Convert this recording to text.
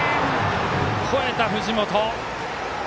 ほえた、藤本。